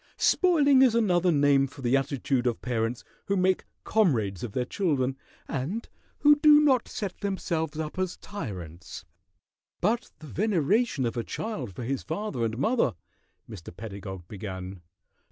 Spoiling is another name for the attitude of parents who make comrades of their children and who do not set themselves up as tyrants " "But the veneration of a child for his father and mother " Mr. Pedagog began.